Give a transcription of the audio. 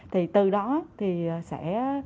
thì từ đó sẽ